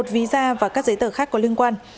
một visa và các giấy tờ khác có liên quan